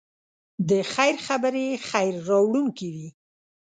د خیر خبرې خیر راوړونکی وي.